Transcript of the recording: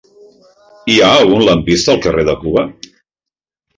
Hi ha algun lampista al carrer de Cuba?